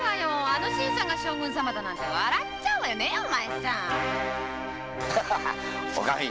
あの新さんが将軍様だなんて笑っちゃうおかみ！